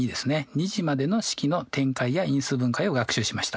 ２次までの式の展開や因数分解を学習しました。